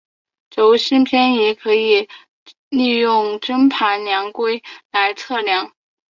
轴心偏移可以利用针盘量规来量测。